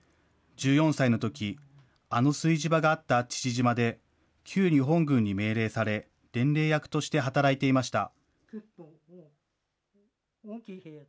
１４歳のとき、あの炊事場があった父島で、旧日本軍に命令され、伝令役として働いていました。